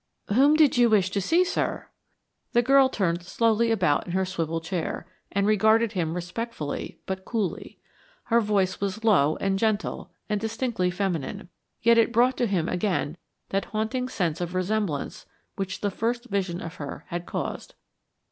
"Whom did you wish to see, sir?" The girl turned slowly about in her swivel chair and regarded him respectfully but coolly. Her voice was low and gentle and distinctly feminine, yet it brought to him again that haunting sense of resemblance which the first vision of her had caused.